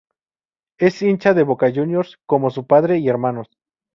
Es hincha de Boca Juniors como su padre y hermanos.